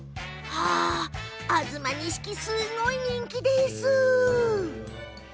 東錦、すごい人気ね。